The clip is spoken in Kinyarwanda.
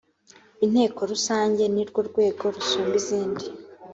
inteko rusange nirwo rwego rusumba izindi